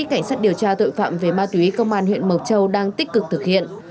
cảnh sát điều tra tội phạm về ma túy công an huyện mộc châu đang tích cực thực hiện